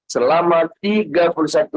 selama tiga tahun